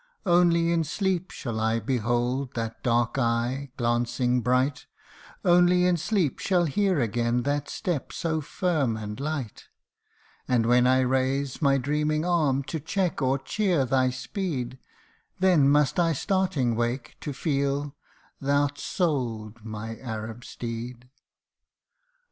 Only in sleep shall I behold that dark eye, glancing bright Only in sleep shall hear again that step so firm and light: THE ARAB'S FAREWELL TO HIS HORSE. 271 And when I raise my dreaming arm to check or cheer thy speed, Then must I starting wake, to feel thou'rt sold, my Arab steed